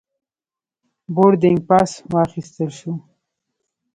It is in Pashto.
بوردینګ پاس واخیستل شو.